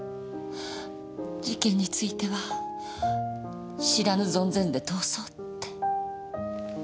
事件については知らぬ存ぜぬで通そうって。